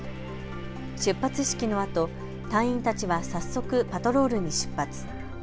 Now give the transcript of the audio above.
出発式のあと、隊員たちは早速パトロールに出発。